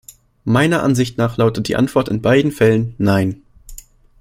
Meiner Ansicht nach lautet die Antwort in beiden Fällen "Nein".